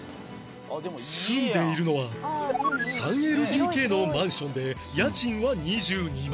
住んでいるのは ３ＬＤＫ のマンションで家賃は２２万